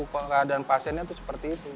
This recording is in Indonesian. keadaan pasiennya itu seperti itu